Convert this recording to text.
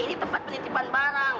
ini tempat penitipan barang